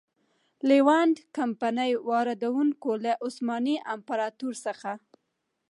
لېوانټ کمپنۍ واردوونکو له عثماني امپراتورۍ څخه.